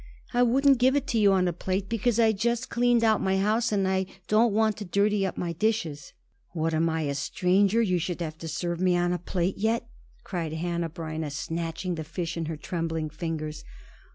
"I wouldn't give it to you on a plate because I just cleaned out my house, and I don't want to dirty up my dishes." "What, am I a stranger you should have to serve me on a plate yet!" cried Hanneh Breineh, snatching the fish in her trembling fingers.